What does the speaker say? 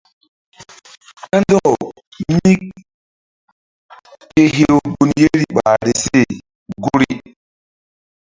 Kandɔkaw míke hew gun yeri ɓahri se guri.